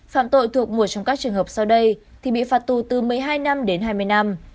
phạm tội thuộc một trong các trường hợp sau đây thì bị phạt tù từ một mươi hai năm đến hai mươi năm